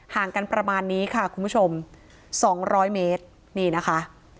ห่างกันประมาณนี้ค่ะคุณผู้ชม๒๐๐เมตรนี่นะคะ